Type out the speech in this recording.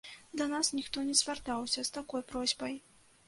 Да нас ніхто не звяртаўся з такой просьбай.